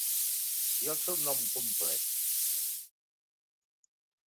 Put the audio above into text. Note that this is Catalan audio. I el seu nom complert?